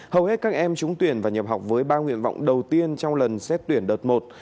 hầu hết các em trúng tuyển và nhập học với ba nguyện vọng đầu tiên trong lần xét tuyển đợt một